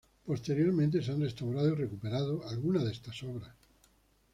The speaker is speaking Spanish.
Posteriormente se han restaurado y recuperado algunas de estas obras.